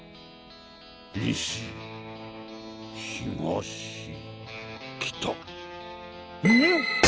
西東北ん！？